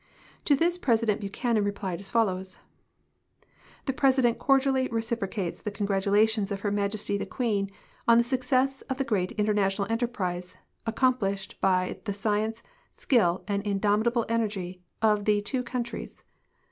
4'o this President Buchanan replied as follows : "The President cordially reciprocates the congratulations of Her IMajesty the Queen on the success of the great international enterprise aci'om plished l)y the science, skill, and indomitable enersry of the two countries.